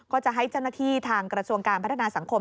ก็จะให้เจ้าหน้าที่ทางกระทรวงการพัฒนาสังคม